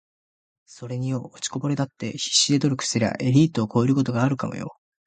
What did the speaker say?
｢それによ……落ちこぼれだって必死で努力すりゃエリートを超えることがあるかもよ｣